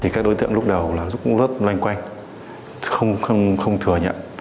các đối tượng lúc đầu cũng rất loanh quanh không thừa nhận